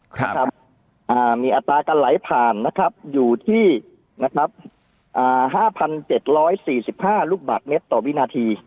ครับอ่ามีอัตรากันไหลผ่านนะครับอยู่ที่นะครับอ่าห้าพันเจ็ดร้อยสี่สิบห้าลูกบัตรเมตรต่อวินาที